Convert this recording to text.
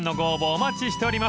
お待ちしております］